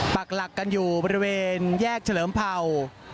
ปากหลักกันอยู่บริเวณแยกเฉลิมเผ่า